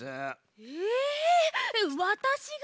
えわたしが？